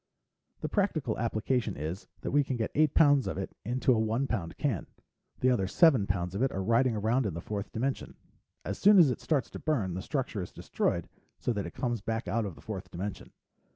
"The practical application is that we can get eight pounds of it into a one pound can. The other seven pounds of it are riding around in the fourth dimension. As soon as it starts to burn, the structure is destroyed, so that it comes back out of the fourth dimension.